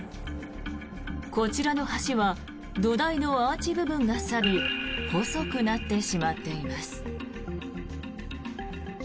こちらの橋は土台のアーチ部分がさび細くなってしまっています。